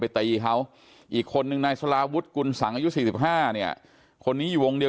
ตีเขาอีกคนนึงนายสลาวุฒิกุลสังอายุ๔๕เนี่ยคนนี้อยู่วงเดียว